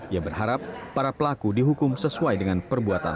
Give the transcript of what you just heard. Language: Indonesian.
ia berharap para pelaku dihukum sesuai dengan perbuatan